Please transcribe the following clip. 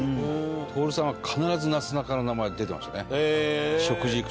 徹さんは必ずなすなかの名前出てましたね。